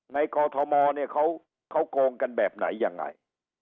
กอทมเนี่ยเขาโกงกันแบบไหนยังไง